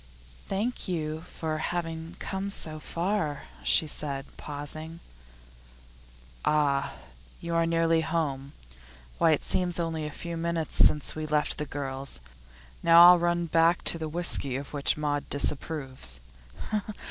'Thank you for having come so far,' she said, pausing. 'Ah, you are nearly home. Why, it seems only a few minutes since we left the girls. Now I'll run back to the whisky of which Maud disapproves.